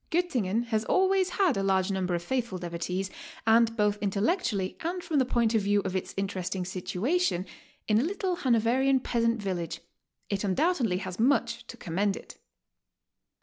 Goettingen has always had a large number of faithful devotees; and both intellectually and from the point of view of its interesting situation, in a little Hanoverian peasant village, it un doubtedly has much to commend it.